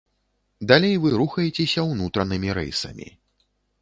Далей вы рухаецеся ўнутранымі рэйсамі.